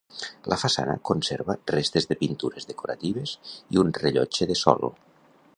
La façana conserva restes de pintures decoratives i un rellotge de sol.